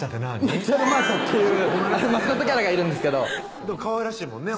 抹茶のまーちゃっていうマスコットキャラがいるんですけどかわいらしいもんね